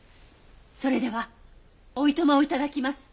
それではおいとまを頂きます。